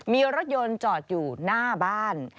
มีรถยนต์จอดอยู่หน้าบ้าน